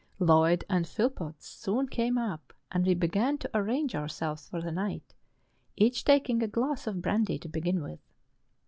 Lloyd and Phillpotts soon came up, and we began to ar¬ range ourselves for the night, each taking a glass of brandy to begin with.